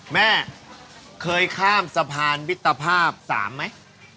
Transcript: แม่เคยข้ามสะพานมิตรภาพ๓ไหม